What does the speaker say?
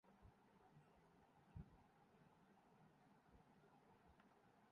جو پہلے یہاں قابض تھا پاکستان میں کوئی بھی بے ہودگی ہو اس ادارے کے کارندے اسے رپورٹ ضرور کرتے ہیں